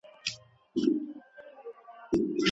که څه هم د طلاق پر وخت ئې عقل نه وي.